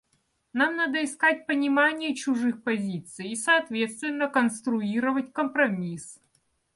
Нам надо искать понимания чужих позиций и соответственно конструировать компромисс.